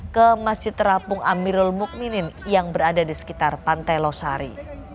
ke masjid terapung amirul mukminin yang berada di sekitar pantai losari